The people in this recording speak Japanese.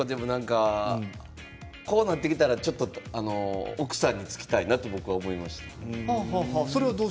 こうなってきたら奥さんにつきたいなと僕は思いました。